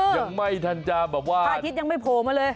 ยังไม่ทันจะแบบว่าพระอาทิตย์ยังไม่โผล่มาเลย